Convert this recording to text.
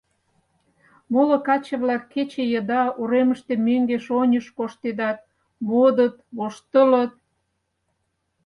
Моло каче-влак кече еда уремыште мӧҥгеш-оньыш коштедат, модыт, воштылыт.